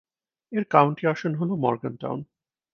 এর কাউন্টি আসন হল মরগানটাউন।